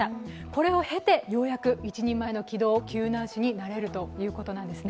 これを経てようやく一人前の機動救難士になれるということなんです。